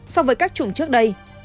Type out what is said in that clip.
so với các chủng trước đây